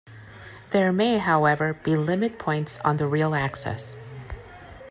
There may, however, be limit points on the real axis.